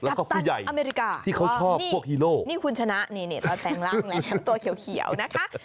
ตัดตันอเมริกาที่เขาชอบพวกฮีโร่นี่คุณชนะตัวแสงร่างแหลมตัวเขียวนะคะ